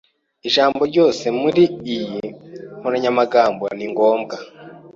Ijambo ryose muri iyi nkoranyamagambo ni ngombwa.